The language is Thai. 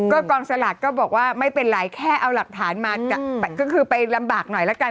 ก็กองสลากก็บอกว่าไม่เป็นไรแค่เอาหลักฐานมาก็คือไปลำบากหน่อยละกัน